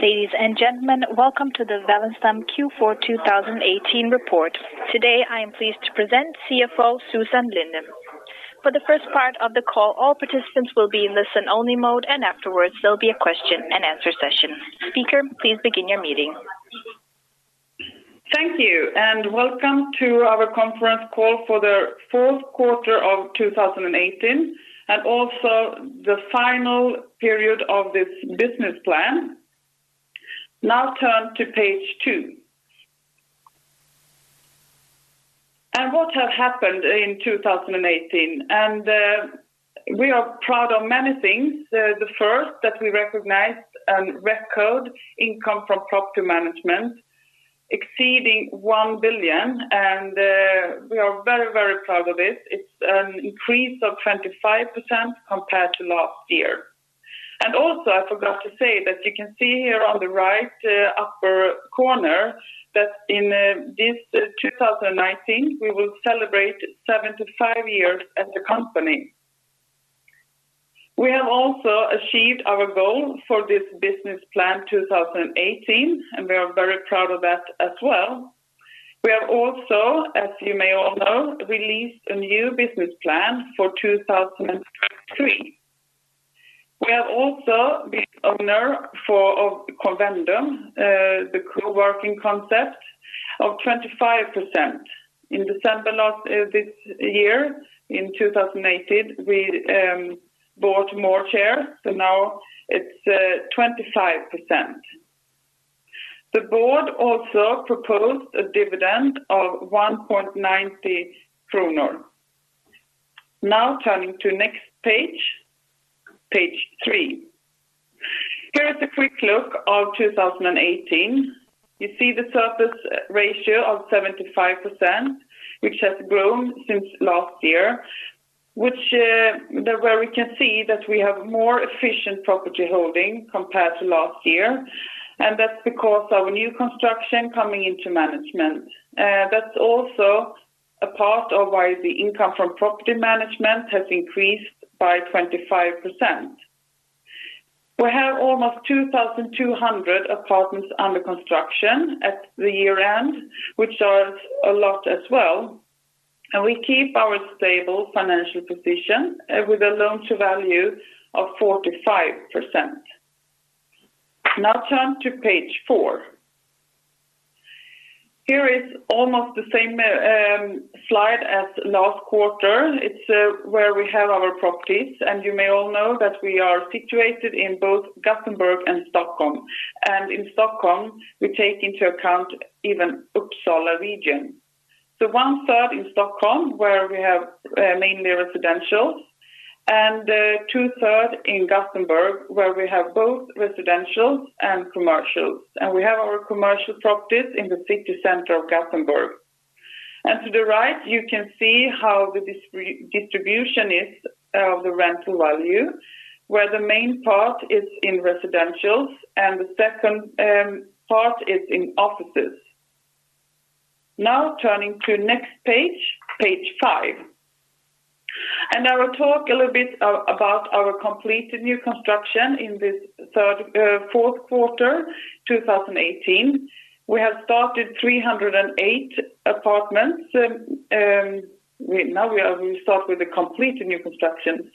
Ladies and gentlemen, welcome to the Wallenstam Q4 2018 report. Today, I am pleased to present CFO Susann Linde. For the first part of the call, all participants will be in listen-only mode, and afterwards, there'll be a question-and-answer session. Speaker, please begin your meeting. Thank you, and welcome to our conference call for the fourth quarter of 2018 and also the final period of this business plan. Now turn to page two. What have happened in 2018? We are proud of many things. The first that we recognized, record income from property management exceeding 1 billion, and we are very, very proud of this. It's an increase of 25% compared to last year. Also, I forgot to say that you can see here on the right, upper corner that in this 2019, we will celebrate 75 years as a company. We have also achieved our goal for this business plan 2018, and we are very proud of that as well. We have also, as you may all know, released a new business plan for 2023. We have also been owner of CONVENDUM, the co-working concept of 25%. In December last, this year in 2018, we bought more shares, so now it's 25%. The board also proposed a dividend of 1.90 kronor. Turning to next page three. Here is a quick look of 2018. You see the surface ratio of 75% which has grown since last year, which, where we can see that we have more efficient property holding compared to last year, that's because our new construction coming into management. That's also a part of why the income from property management has increased by 25%. We have almost 2,200 apartments under construction at the year-end, which are a lot as well. We keep our stable financial position with a loan-to-value of 45%. Turn to page four. Here is almost the same slide as last quarter. It's where we have our properties, you may all know that we are situated in both Gothenburg and Stockholm. In Stockholm we take into account even Uppsala region. The one-third in Stockholm where we have mainly residentials, two-third in Gothenburg where we have both residentials and commercials. We have our commercial properties in the city center of Gothenburg. To the right, you can see how the distribution is of the rental value, where the main part is in residentials and the second part is in offices. Turning to next page five. I will talk a little bit about our completed new construction in this fourth quarter 2018. We have started 308 apartments. We start with the completed new construction.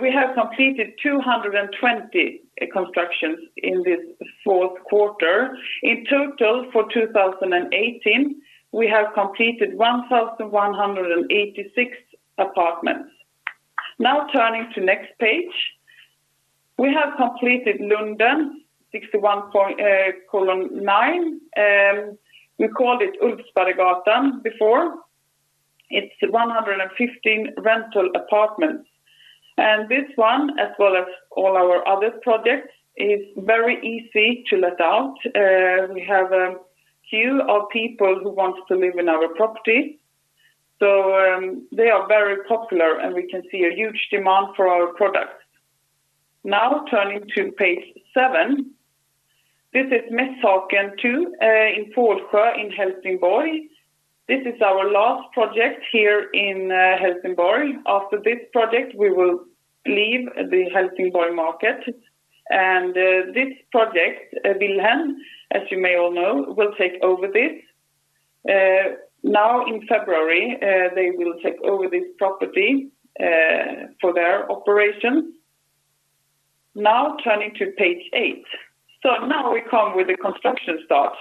We have completed 220 constructions in this fourth quarter. In total for 2018, we have completed 1,186 apartments. Now turning to next page. We have completed Lunden 61:9. We called it Ulfsparregatan before. It's 115 rental apartments. This one, as well as all our other projects, is very easy to let out. We have a queue of people who wants to live in our property. They are very popular, and we can see a huge demand for our products. Now turning to page seven. This is Mässhaken two in Pålsjö in Helsingborg. This is our last project here in Helsingborg. After this project, we will leave the Helsingborg market. This project, Willhem, as you may all know, will take over this. Now in February, they will take over this property for their operation. Turning to page eight. We come with the construction starts.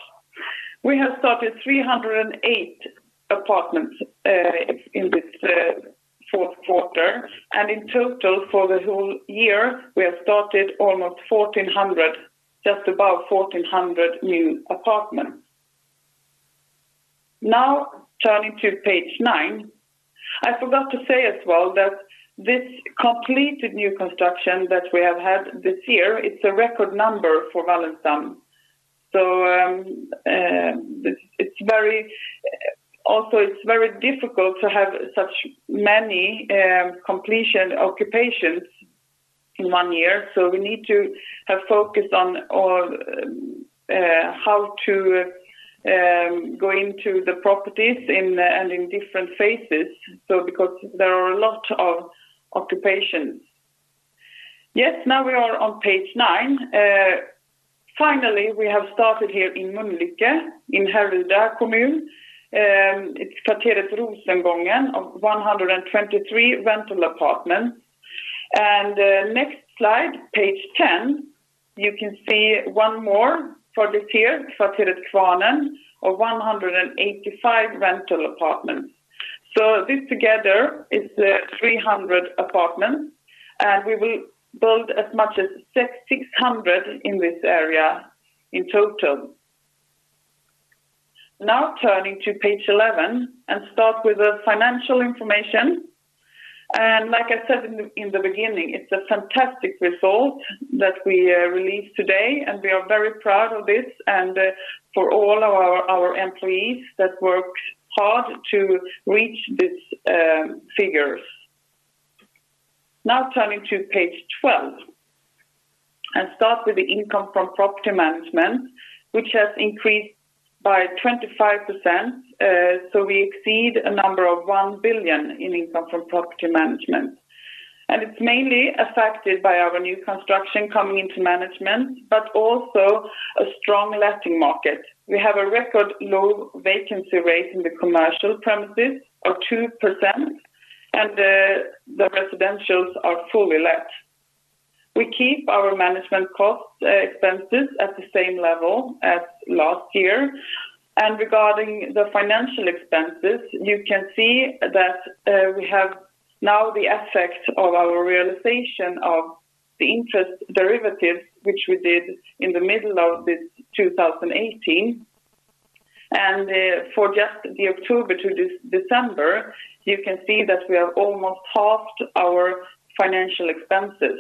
We have started 308 apartments in this fourth quarter. In total for the whole year, we have started almost 1,400, just about 1,400 new apartments. Turning to page nine. I forgot to say as well that this completed new construction that we have had this year, it's a record number for Wallenstam. It's very Also it's very difficult to have such many completion occupations in one year, so we need to have focused on how to go into the properties and in different phases so because there are a lot of occupations. Yes, now we are on page 9. Finally, we have started here in Mölnlycke in Härryda Kommun. It's Kvarteret Rosengången of 123 rental apartments. Next slide, page 10, you can see one more for this year, Kvarteret Kvarnen of 185 rental apartments. This together is 300 apartments, and we will build as much as 600 in this area in total. Now turning to page 11 and start with the financial information. Like I said in the beginning, it's a fantastic result that we released today, and we are very proud of this and for all our employees that worked hard to reach these figures. Now turning to page 12. Start with the income from property management, which has increased by 25%, so we exceed a number of 1 billion in income from property management. It's mainly affected by our new construction coming into management, but also a strong letting market. We have a record low vacancy rate in the commercial premises of 2%, the residentials are fully let. We keep our management cost expenses at the same level as last year. Regarding the financial expenses, you can see that we have now the effects of our realization of the interest derivative, which we did in the middle of this 2018. For just the October to December, you can see that we have almost halved our financial expenses.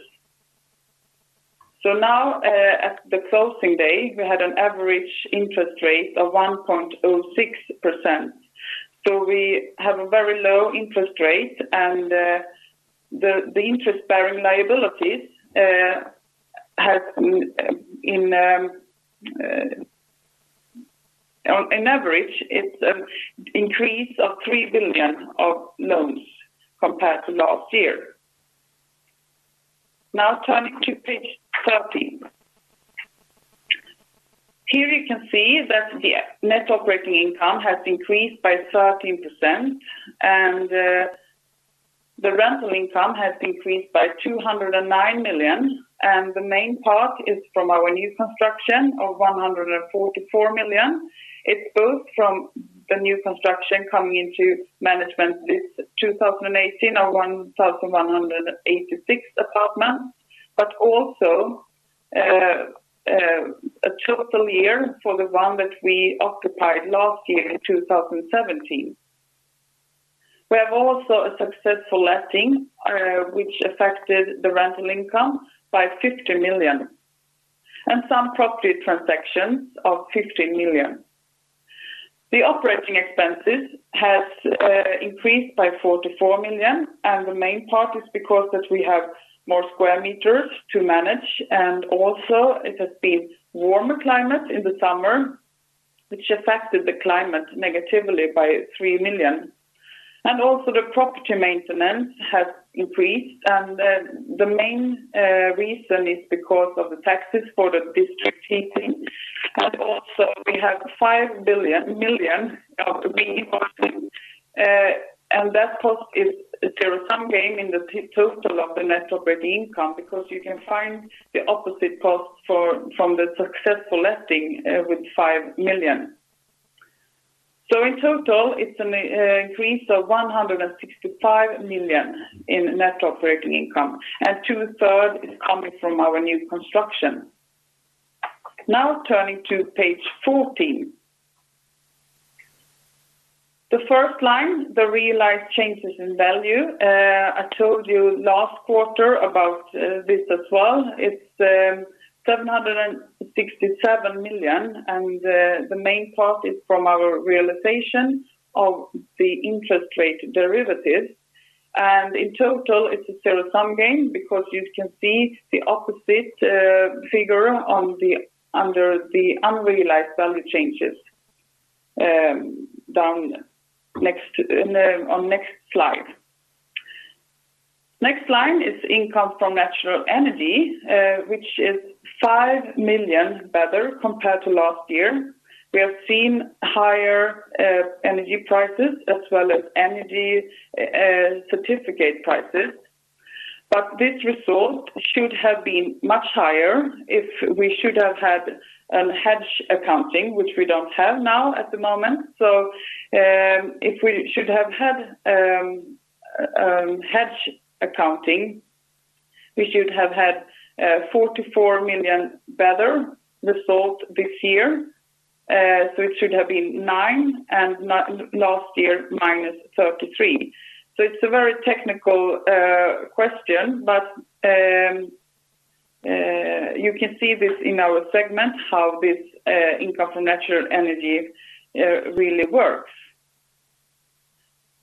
Now, at the closing day, we had an average interest rate of 1.06%. We have a very low interest rate, the interest-bearing liabilities has on an average, it's increase of 3 billion of loans compared to last year. Now turning to page 13. Here you can see that the net operating income has increased by 13%. The rental income has increased by 209 million. The main part is from our new construction of 144 million. It's both from the new construction coming into management this 2018 of 1,186 apartments, also a total year for the one that we occupied last year in 2017. We have also a successful letting, which affected the rental income by 50 million. Some property transactions of 50 million. The operating expenses has increased by 44 million. The main part is because that we have more square meters to manage. It has been warmer climate in the summer, which affected the climate negatively by 3 million. The property maintenance has increased, the main reason is because of the taxes for the district heating. We have SEK 5 million of re-investing, and that cost is still some gain in the total of the net operating income because you can find the opposite cost from the successful letting with 5 million. In total, it's an increase of 165 million in net operating income, and two-third is coming from our new construction. Turning to page 14. The first line, the realized changes in value. I told you last quarter about this as well. It's 767 million, and the main part is from our realization of the interest rate derivatives. In total, it's still a sum game because you can see the opposite figure under the unrealized value changes on next slide. Next line is income from natural energy, which is 5 million better compared to last year. We have seen higher energy prices as well as energy certificate prices. This result should have been much higher if we should have had hedge accounting, which we don't have now at the moment. If we should have had hedge accounting, we should have had 44 million better result this year. It should have been 9 million, and last year, minus 33 million. It's a very technical question, but you can see this in our segment, how this income from renewable energy really works.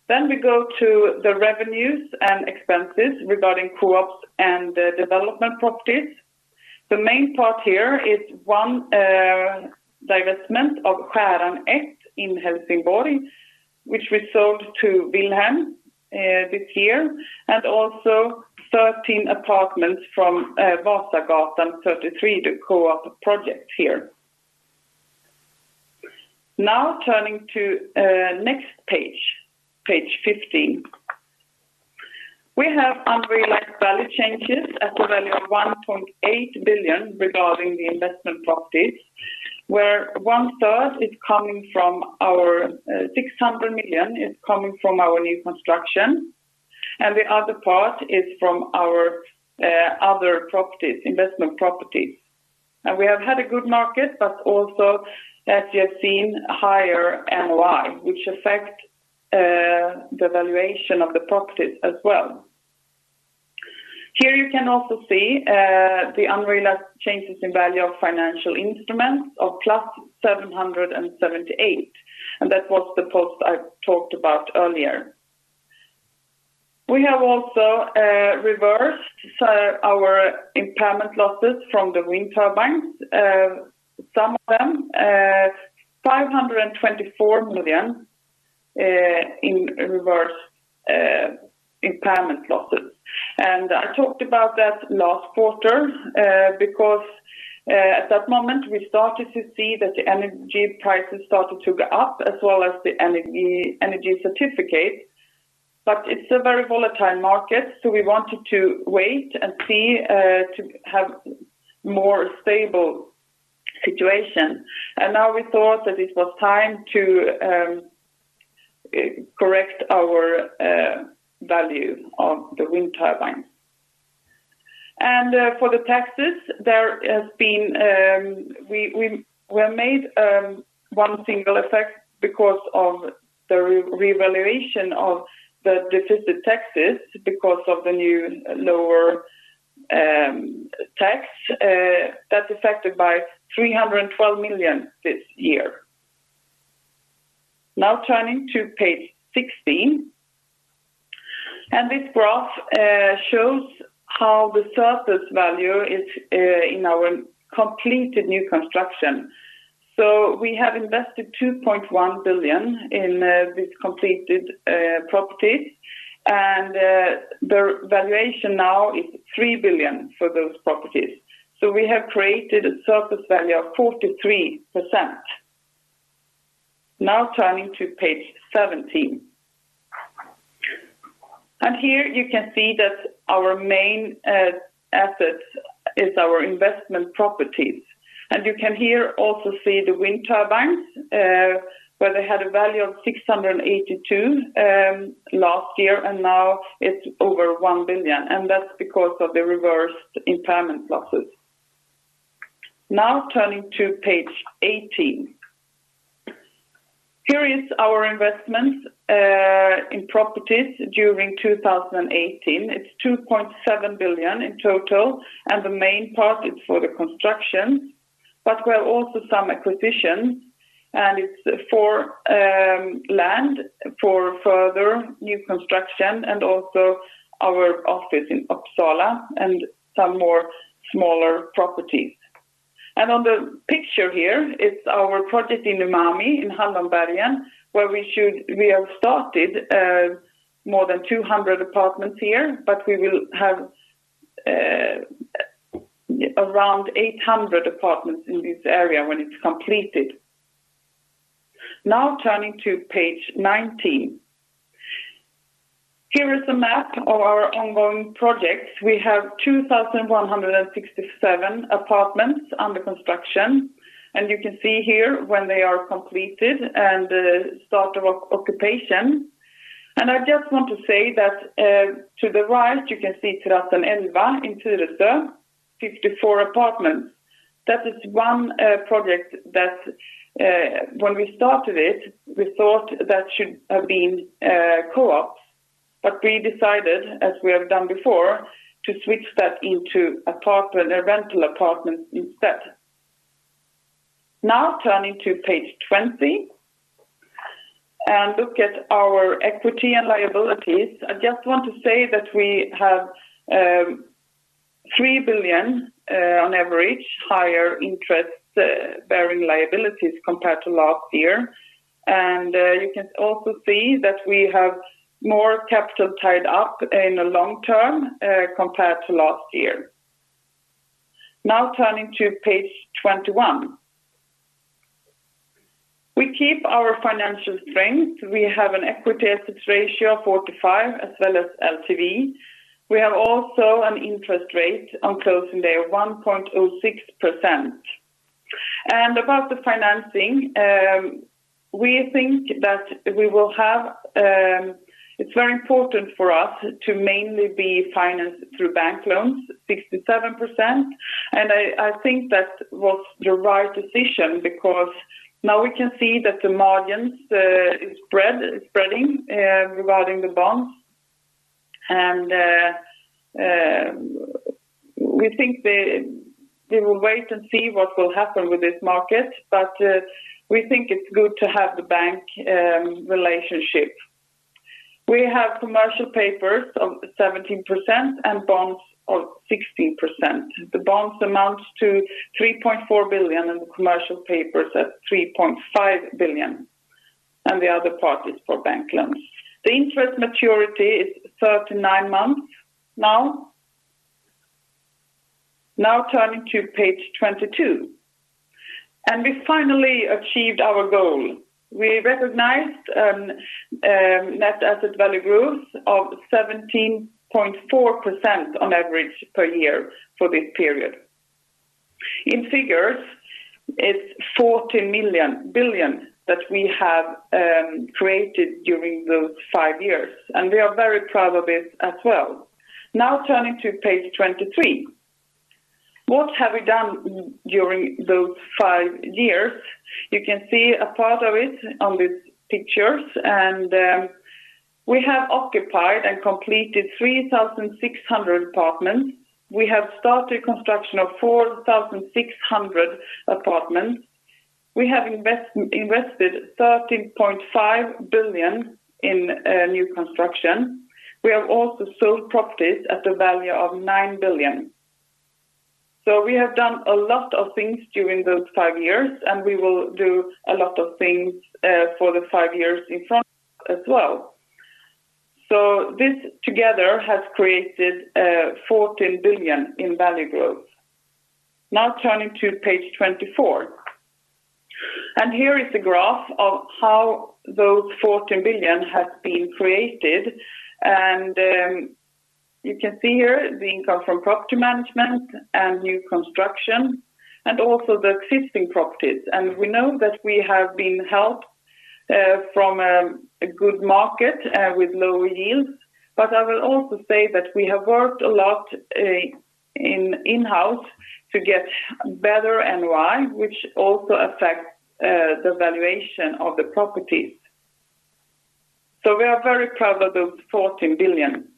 We go to the revenues and expenses regarding co-ops and the development properties. The main part here is one divestment of Skäran one in Helsingborg, which we sold to Willhem this year, and also 13 apartments from Vasagatan 33, the co-op project here. Turning to next page 15. We have unrealized value changes at the value of 1.8 billion regarding the investment properties, where 600 million is coming from our new construction, and the other part is from our other properties, investment properties. We have had a good market, but also, as you have seen, higher NOI, which affect the valuation of the properties as well. Here you can also see the unrealized changes in value of financial instruments of +778, and that was the post I talked about earlier. We have also reversed our impairment losses from the wind turbines. Some of them, 524 million in reverse impairment losses. I talked about that last quarter because at that moment, we started to see that the energy prices started to go up as well as the energy certificate. It's a very volatile market, so we wanted to wait and see to have more stable situation. Now we thought that it was time to correct our value of the wind turbines. For the taxes, there has been we made one single effect because of the revaluation of the deferred taxes because of the new lower tax. That affected by 312 million this year. Now turning to page 16. This graph shows how the surplus value is in our completed new construction. We have invested 2.1 billion in this completed properties. The valuation now is 3 billion for those properties. We have created a surplus value of 43%. Now turning to page 17. Here you can see that our main asset is our investment properties. You can here also see the wind turbines, where they had a value of 682 million last year, and now it's over 1 billion. Turning to page 18. Here is our investments in properties during 2018. It's 2.7 billion in total, and the main part is for the construction. We have also some acquisition, and it's for land for further new construction and also our office in Uppsala and some more smaller properties. On the picture here is our project in Umami Park in Hallonbergen, we have started more than 200 apartments here, but we will have around 800 apartments in this area when it's completed. Turning to page 19. Here is a map of our ongoing projects. We have 2,167 apartments under construction, and you can see here when they are completed and the start of occupation. I just want to say that to the right, you can see Terrassen Elva in Tyresö, 54 apartments. That is one project that when we started it, we thought that should have been a co-op, but we decided, as we have done before, to switch that into a rental apartment instead. Turning to page 20 and look at our equity and liabilities. I just want to say that we have 3 billion on average higher interest-bearing liabilities compared to last year. You can also see that we have more capital tied up in the long term compared to last year. Turning to page 21. We keep our financial strength. We have an equity/assets ratio of 45 as well as LTV. We have also an interest rate on closing day of 1.06%. About the financing, we think that we will have. It's very important for us to mainly be financed through bank loans, 67%. I think that was the right decision because now we can see that the margins is spreading regarding the bonds. We think they will wait and see what will happen with this market, but we think it's good to have the bank relationship. We have commercial papers of 17% and bonds of 16%. The bonds amounts to 3.4 billion and the commercial papers at 3.5 billion, and the other parties for bank loans. The interest maturity is 39 months now. Now turning to page 22. We finally achieved our goal. We recognized, net asset value growth of 17.4% on average per year for this period. In figures, it's 14 billion that we have created during those five years, and we are very proud of it as well. Now turning to page 23. What have we done during those five years? You can see a part of it on these pictures. We have occupied and completed 3,600 apartments. We have started construction of 4,600 apartments. We have invested 13.5 billion in new construction. We have also sold properties at a value of 9 billion. We have done a lot of things during those five years, and we will do a lot of things for the five years in front as well. This together has created 14 billion in value growth. Turning to page 24. Here is a graph of how those 14 billion have been created. You can see here the income from property management and new construction, and also the existing properties. We know that we have been helped from a good market with low yields. I will also say that we have worked a lot in-house to get better NOI, which also affects the valuation of the properties. We are very proud of those 14 billion.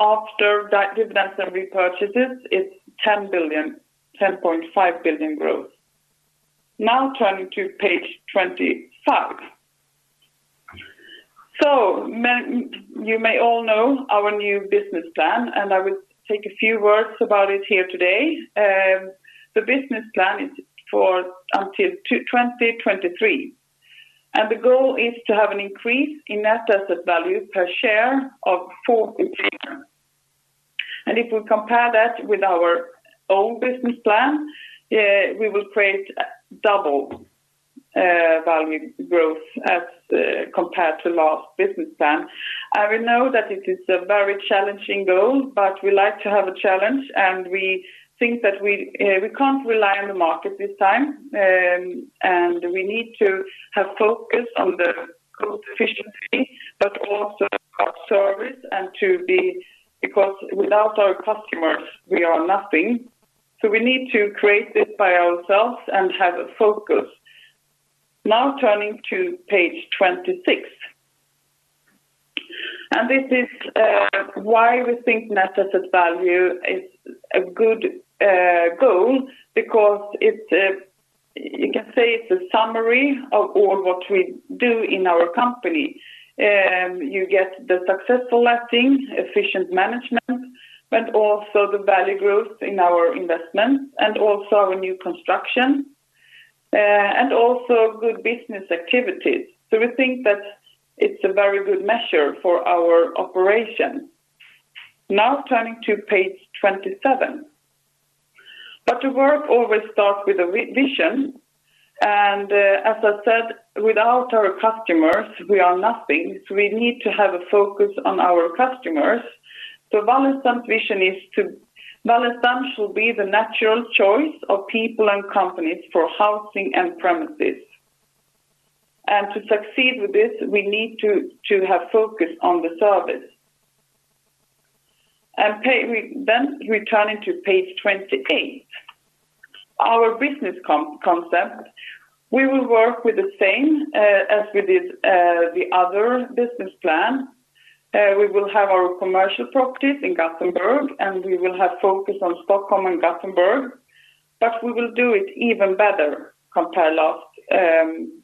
After dividends and repurchases, it's 10 billion, 10.5 billion growth. Turning to page 25. You may all know our new business plan. I will take a few words about it here today. The business plan is for until 2023. The goal is to have an increase in net asset value per share of 40%. If we compare that with our old business plan, we will create double value growth as compared to last business plan. I will know that it is a very challenging goal, but we like to have a challenge, and we think that we can't rely on the market this time. We need to have focus on the cost efficiency, but also our service because without our customers, we are nothing. We need to create this by ourselves and have a focus. Now turning to page 26. This is why we think net asset value is a good goal because it's, you can say it's a summary of all what we do in our company. You get the successful lettings, efficient management, but also the value growth in our investments, and also our new construction, and also good business activities. We think that it's a very good measure for our operation. Turning to page 27. The work always starts with a vision. As I said, without our customers, we are nothing. We need to have a focus on our customers. Wallenstam's vision is Wallenstam shall be the natural choice of people and companies for housing and premises. To succeed with this, we need to have focus on the service. We're turning to page 28. Our business concept, we will work with the same as we did the other business plan. We will have our commercial properties in Gothenburg, we will have focus on Stockholm and Gothenburg. We will do it even better compared last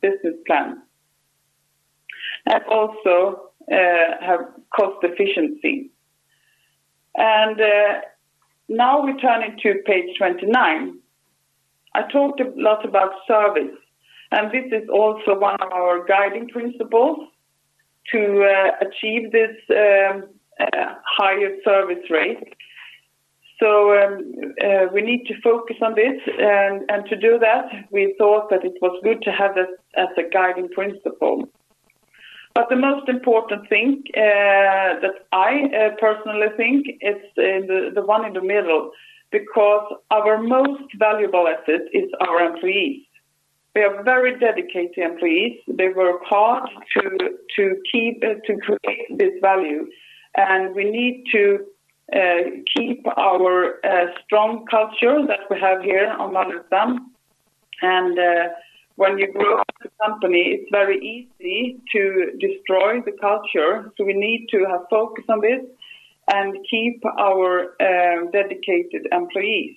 business plan, and also have cost efficiency. Now we're turning to page 29. I talked a lot about service, this is also one of our guiding principles to achieve this higher service rate. We need to focus on this. To do that, we thought that it was good to have this as a guiding principle. The most important thing that I personally think is the one in the middle, because our most valuable asset is our employees. We have very dedicated employees. They work hard to create this value. We need to keep our strong culture that we have here on Wallenstam. When you grow the company, it's very easy to destroy the culture, so we need to have focus on this and keep our dedicated employees.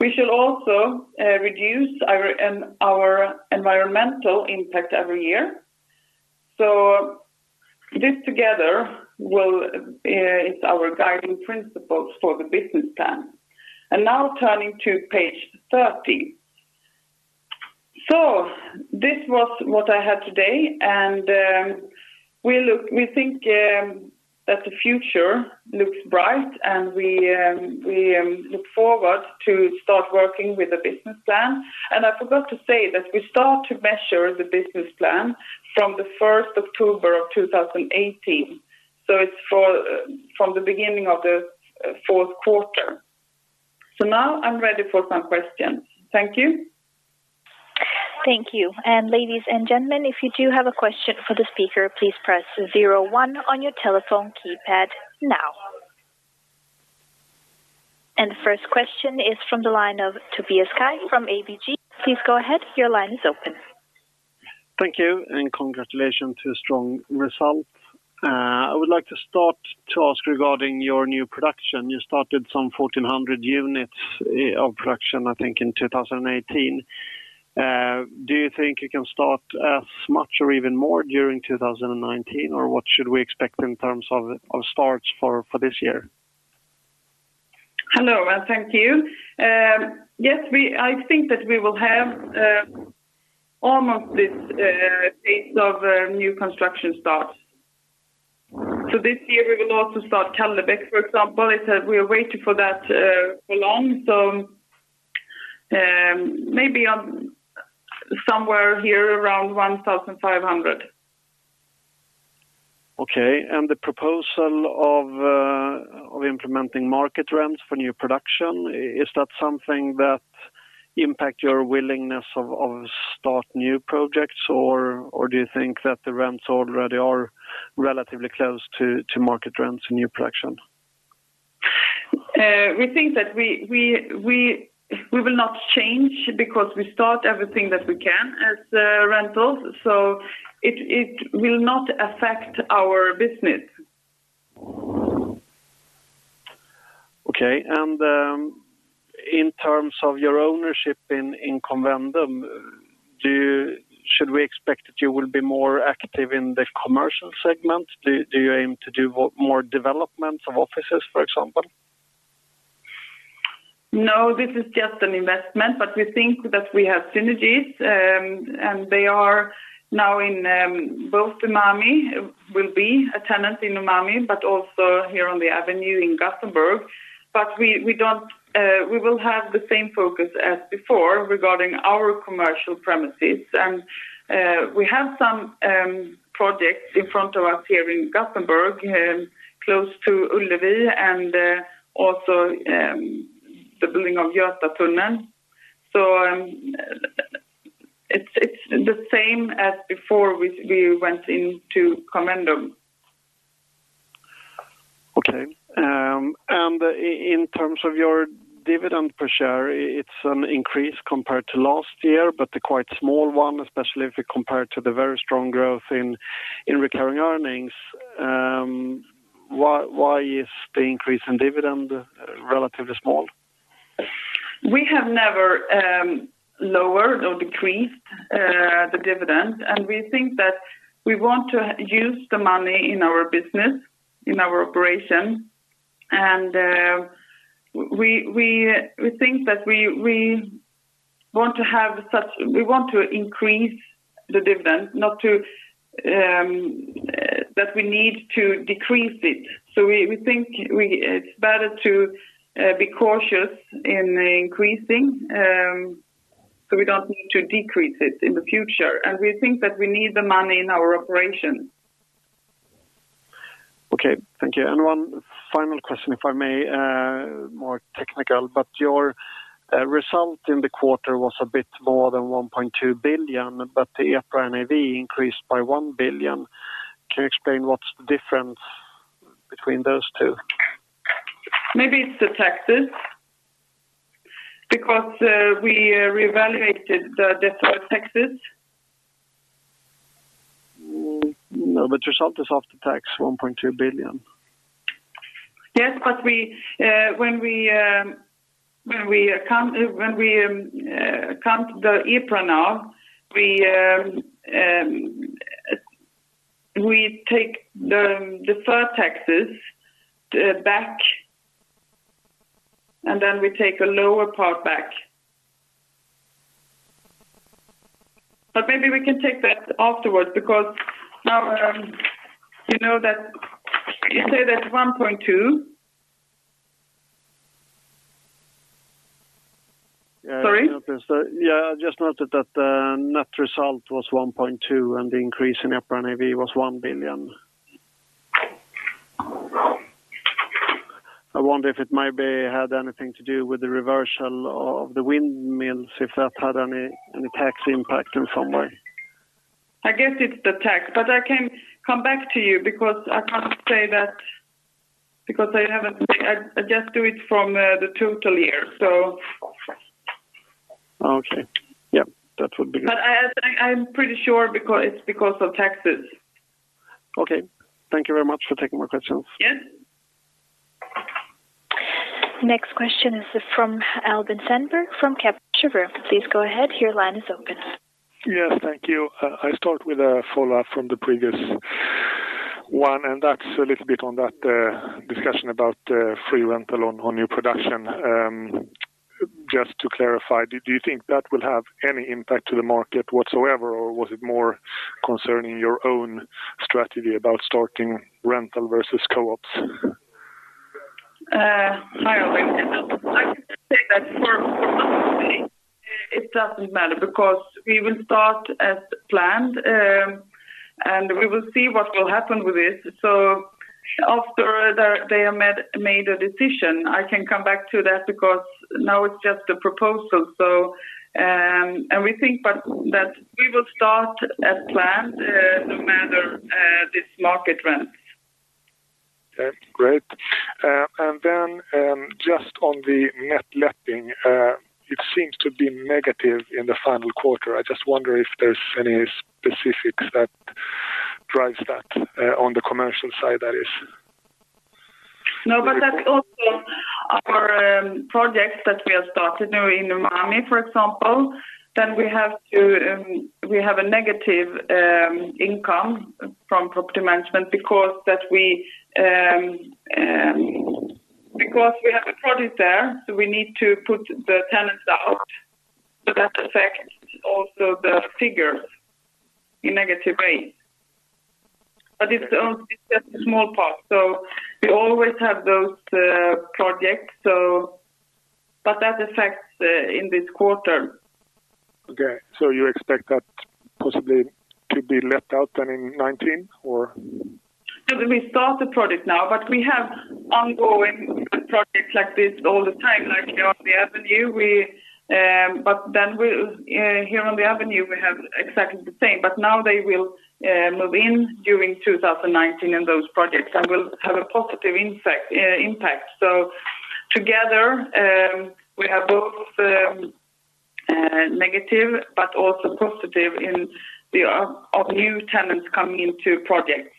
We shall also reduce our environmental impact every year. This together will is our guiding principles for the business plan. Now turning to page 30. This was what I had today, and we think that the future looks bright, and we look forward to start working with the business plan. I forgot to say that we start to measure the business plan from the first October of 2018, it's for from the beginning of the fourth quarter. Now I'm ready for some questions. Thank you. Thank you. Ladies and gentlemen, if you do have a question for the speaker, please press 01 on your telephone keypad now. The first question is from the line of Tobias Kaj from ABG. Please go ahead. Your line is open. Thank you, congratulations to strong results. I would like to start to ask regarding your new production. You started some 1,400 units, of production, I think, in 2018. Do you think you can start as much or even more during 2019, or what should we expect in terms of starts for this year? Hello. Thank you. Yes, I think that we will have almost this pace of new construction starts. This year we will also start Kallebäck, for example. It's, we are waiting for that for long. Maybe on somewhere here around 1,500. Okay. The proposal of implementing market rents for new production, is that something that impact your willingness of start new projects, or do you think that the rents already are relatively close to market rents in new production? We think that we will not change because we start everything that we can as rentals, so it will not affect our business. Okay. In terms of your ownership in Convendum, should we expect that you will be more active in the commercial segment? Do you aim to do more development of offices, for example? No, this is just an investment, but we think that we have synergies, and they are now in, both Umami, will be a tenant in Umami, but also here on Avenyn in Gothenburg. We will have the same focus as before regarding our commercial premises. We have some projects in front of us here in Gothenburg, close to Ullevi and also the building of Götatunneln. It's the same as before we went into CONVENDUM. Okay. In terms of your dividend per share, it's an increase compared to last year, a quite small one, especially if you compare it to the very strong growth in recurring earnings. Why is the increase in dividend relatively small? We have never lowered or decreased the dividend, and we think that we want to use the money in our business, in our operation. We think that we want to increase the dividend, not that we need to decrease it. We think it's better to be cautious in increasing, so we don't need to decrease it in the future. We think that we need the money in our operation. Okay. Thank you. One final question, if I may, more technical. Your result in the quarter was a bit more than 1.2 billion, but the EPRA NAV increased by 1 billion. Can you explain what's the difference between those two? Maybe it's the taxes because we reevaluated the deferred taxes. No, result is after tax 1.2 billion. Yes, when we count the EPRA NAV, we take the deferred taxes back, and then we take a lower part back. Maybe we can take that afterwards because now, you know that you say that's 1.2. Sorry? Yeah. I just noted that the net result was 1.2 billion, and the increase in EPRA NAV was 1 billion. I wonder if it maybe had anything to do with the reversal of the windmills, if that had any tax impact in some way. I guess it's the tax, but I can come back to you because I can't say that because I just do it from the total year. Okay. Yeah, that would be good. I'm pretty sure because it's because of taxes. Okay. Thank you very much for taking my questions. Yes. Next question is from Albin Sandberg from Kepler Cheuvreux. Please go ahead, your line is open. Yes, thank you. I start with a follow-up from the previous one, that's a little bit on that discussion about free rental on new production. Just to clarify, do you think that will have any impact to the market whatsoever, or was it more concerning your own strategy about starting rental versus co-ops? Hi, Albin. I would say that for us it doesn't matter because we will start as planned, and we will see what will happen with this. After they have made a decision, I can come back to that because now it's just a proposal. We think but that we will start as planned, no matter this market rents. Okay, great. Just on the net letting, it seems to be negative in the final quarter. I just wonder if there's any specifics that drives that, on the commercial side, that is. That's also our projects that we have started now in Umami, for example. We have a negative income from property management because that we, because we have a project there, we need to put the tenants out. That affects also the figures in negative way. It's just a small part. We always have those projects. That affects in this quarter. Okay. You expect that possibly to be let out then in 2019 or? We start the project now, but we have ongoing projects like this all the time, like here on the Avenyn. Here on the Avenyn we have exactly the same, but now they will move in during 2019 in those projects and will have a positive impact. Together, we have both negative but also positive in the of new tenants coming into projects.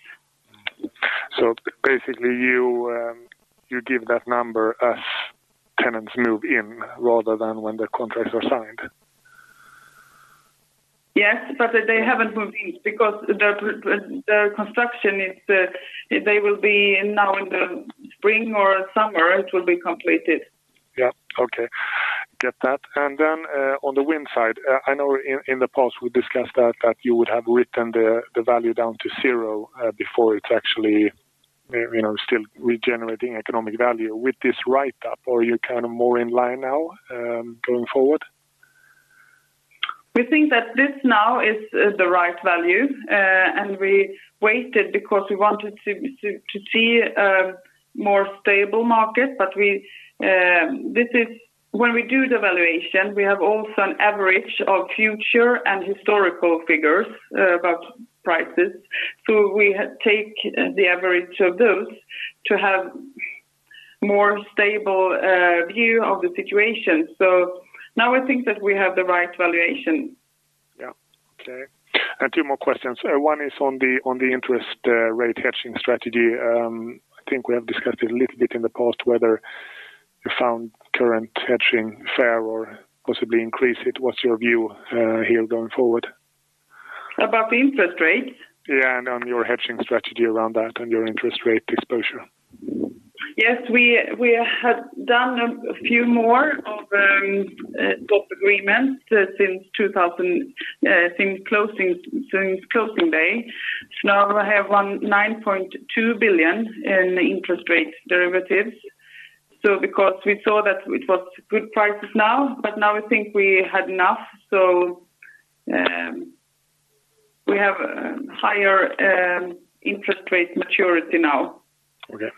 Basically you give that number as tenants move in rather than when the contracts are signed. Yes, they haven't moved in because the construction is, they will be now in the spring or summer it will be completed. Yeah. Okay. Get that. On the wind side, I know in the past we discussed that you would have written the value down to zero, before it's actually, you know, still regenerating economic value. With this writeup, are you kind of more in line now, going forward? We think that this now is the right value. We waited because we wanted to see a more stable market. We, this is when we do the valuation, we have also an average of future and historical figures about prices. We take the average of those to have more stable view of the situation. Now I think that we have the right valuation. Yeah. Okay. Two more questions. One is on the, on the interest rate hedging strategy. I think we have discussed a little bit in the past whether you found current hedging fair or possibly increase it. What's your view here going forward? About the interest rates? Yeah. On your hedging strategy around that and your interest rate exposure. Yes. We have done a few more of those agreements since closing day. Now I have 19.2 billion in interest rate derivatives. Because we saw that it was good prices now, but now we think we had enough. We have higher interest rate maturity now. Okay.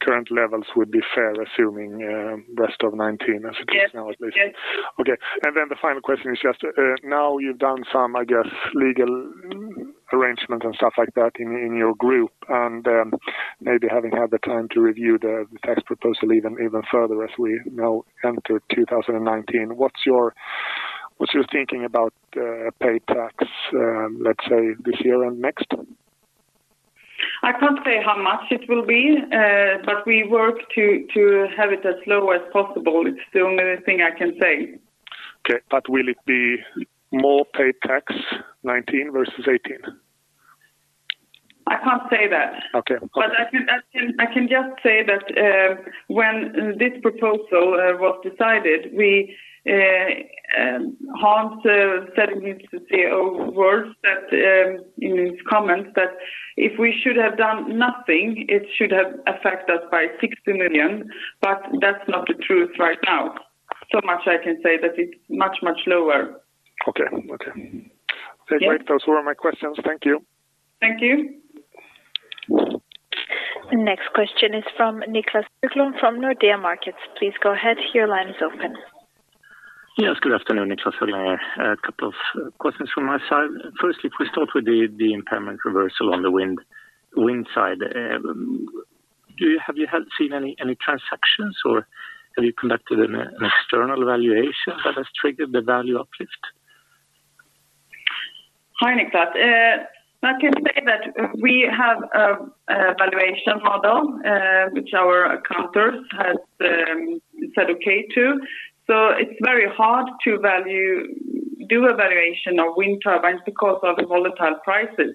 Current levels would be fair assuming, rest of 2019 as it is now at least. Yes. Yes. The final question is just now you've done some, I guess, legal arrangements and stuff like that in your group. Maybe having had the time to review the tax proposal even further as we now enter 2019. What's your, what's your thinking about, paid tax, let's say this year and next? I can't say how much it will be, but we work to have it as low as possible. It's the only thing I can say. Okay. Will it be more paid tax 2019 versus 2018? I can't say that. Okay. I can just say that when this proposal was decided, we, Hans said in his CEO words that in his comments that if we should have done nothing, it should have affect us by 60 million. That's not the truth right now. Much I can say that it's much, much lower. Okay. Okay. Yeah. Okay, great. Those were my questions. Thank you. Thank you. Next question is from Niklas Berglund from Nordea Markets. Please go ahead, your line is open. Yes, good afternoon, Niklas Berglund. A couple of questions from my side. Firstly, if we start with the impairment reversal on the wind side. Have you had seen any transactions, or have you conducted an external evaluation that has triggered the value uplift? Hi, Niklas. I can say that we have a valuation model which our counters has said okay to. It's very hard to do a valuation of wind turbines because of the volatile prices.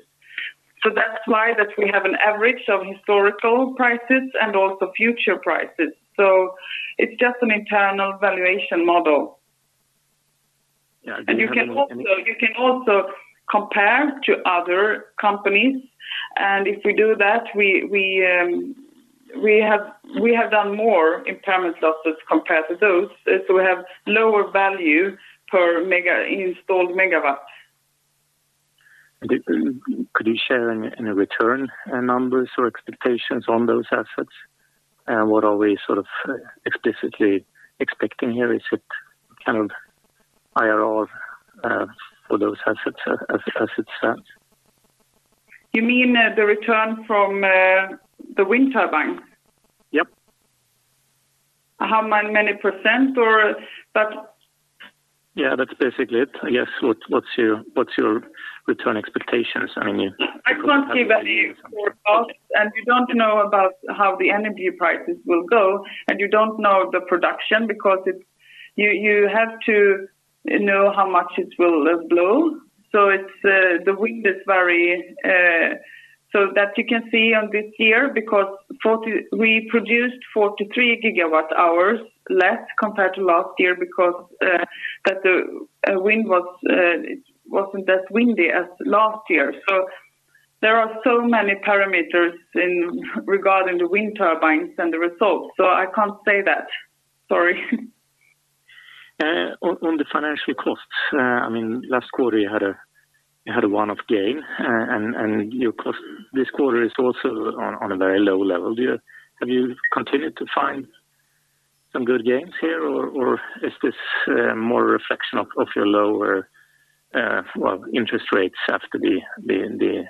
That's why that we have an average of historical prices and also future prices. It's just an internal valuation model. Yeah. You can also compare to other companies. If you do that, we have done more impairment losses compared to those. We have lower value per installed megawatt. Could you share any return, numbers or expectations on those assets? What are we sort of explicitly expecting here? Is it kind of IRR, for those assets as it stands? You mean, the return from, the wind turbine? Yep. How many percent or that? Yeah, that's basically it. I guess. What's your return expectations? I mean. I can't give any more costs. We don't know about how the energy prices will go. You don't know the production because you have to know how much it will blow. It's the wind is very so that you can see on this year because we produced 43 gigawatt hours less compared to last year because that the wind was it wasn't as windy as last year. There are so many parameters in regarding the wind turbines and the results. I can't say that. Sorry. On the financial costs, I mean, last quarter you had a one-off gain. Your cost this quarter is also on a very low level. Have you continued to find some good gains here or is this more a reflection of your lower, well, interest rates after the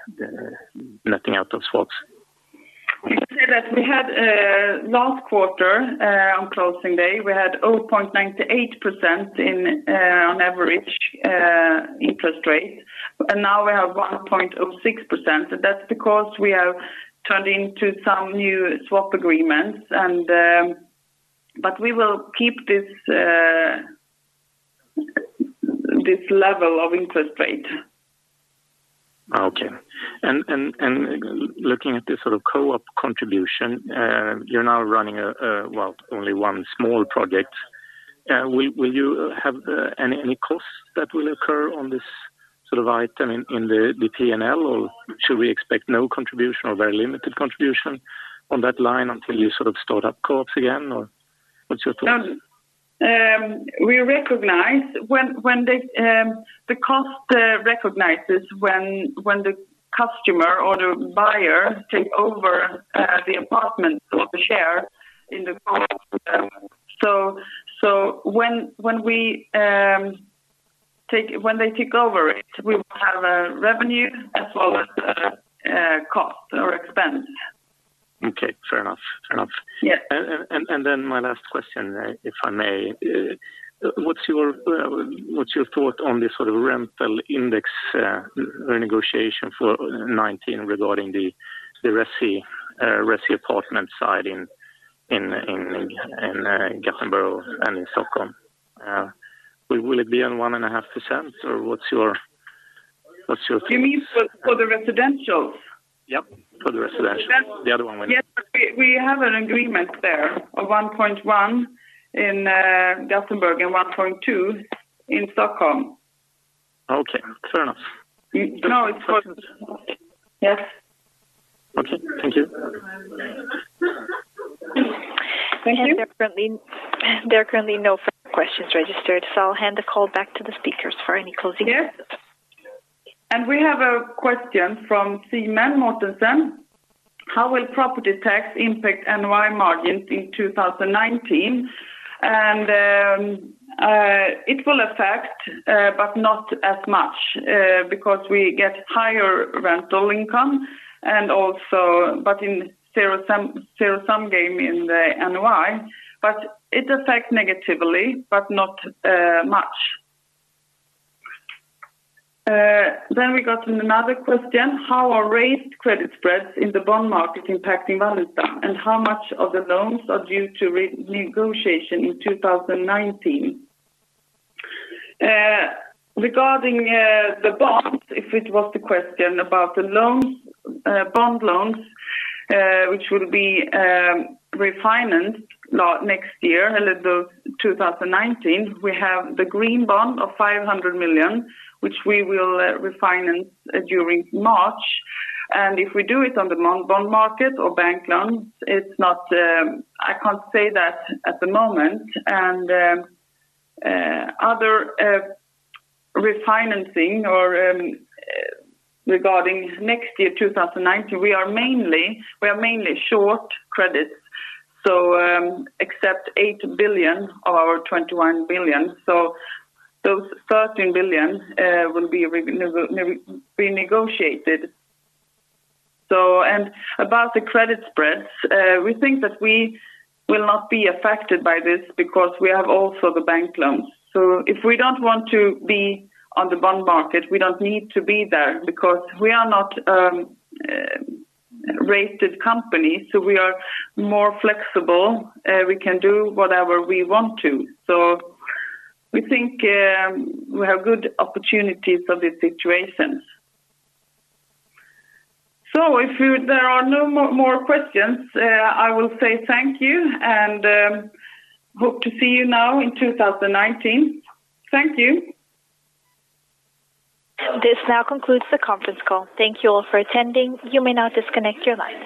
netting out of swaps? You said that we had last quarter on closing day, we had 0.98% in on average interest rates, and now we have 1.06%. That's because we have turned into some new swap agreements. We will keep this level of interest rate. Okay. Looking at this sort of co-op contribution, you're now running only one small project. Will you have any costs that will occur on this sort of item in the P&L? Should we expect no contribution or very limited contribution on that line until you sort of start up co-ops again or what's your thought? We recognize when the cost recognizes when the customer or the buyer take over the apartment or the share in the co-op. When they take over it, we will have revenue as well as cost or expense. Okay. Fair enough. Fair enough. Yeah. My last question, if I may. What's your thought on this sort of rental index renegotiation for 19 regarding the resi apartment side in Gothenburg and in Stockholm? Will it be on 1.5%, or what's your You mean for the residentials? Yep, for the residentials. The other one winning. Yes. We have an agreement there of 1.1 in Gothenburg and 1.2 in Stockholm. Okay. Fair enough. No, it's for. Yes. Okay. Thank you. Thank you. There are currently no further questions registered. I'll hand the call back to the speakers for any closing remarks. Yes. We have a question from Simon Mortensen. How will property tax impact NOI margins in 2019? It will affect, but not as much, because we get higher rental income and also but in still some gain in the NOI, but it affects negatively, but not much. We got another question. How are raised credit spreads in the bond market impacting Wallenstam? How much of the loans are due to renegotiation in 2019? Regarding the bonds, if it was the question about the loans, bond loans, which will be refinanced next year, a little 2019. We have the green bond of 500 million, which we will refinance during March. If we do it on the bond market or bank loans, it's not, I can't say that at the moment. Other refinancing or regarding next year, 2019, we are mainly short credits, except 8 billion of our 21 billion. Those 13 billion will be renegotiated. About the credit spreads, we think that we will not be affected by this because we have also the bank loans. If we don't want to be on the bond market, we don't need to be there because we are not rated company, so we are more flexible. We can do whatever we want to. We think we have good opportunities for this situation. There are no more questions, I will say thank you and hope to see you now in 2019. Thank you. This now concludes the conference call. Thank you all for attending. You may now disconnect your lines.